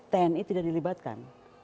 tni tidak dilibatkan